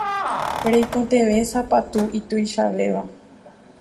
Reikotevẽ sapatu ituichavéva.